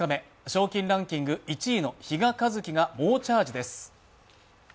賞金ランキング１位の比嘉一貴が猛チャージです。